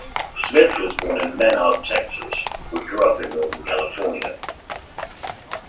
Smith was born in Menard, Texas but grew up in Northern California.